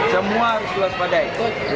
semua harus diluas badai